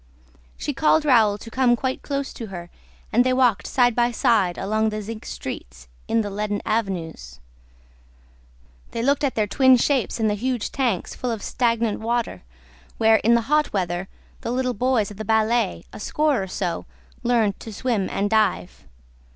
She called Raoul to come quite close to her and they walked side by side along the zinc streets, in the leaden avenues; they looked at their twin shapes in the huge tanks, full of stagnant water, where, in the hot weather, the little boys of the ballet, a score or so, learn to swim and dive.